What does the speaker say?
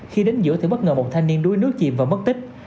khi đến giữa thì bất ngờ một thanh niên đuối nước chìm và mất tích